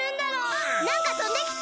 あっなんかとんできた！